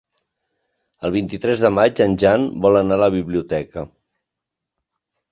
El vint-i-tres de maig en Jan vol anar a la biblioteca.